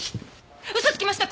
嘘つきました！